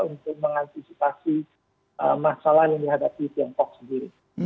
untuk mengantisipasi masalah yang dihadapi tiongkok sendiri